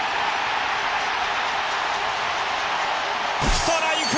ストライク！